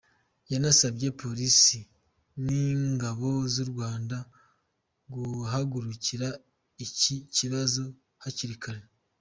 Yanasabye Polisi n’Ingabo z’u Rwanda guhagurukira iki kibazo hakiri kare.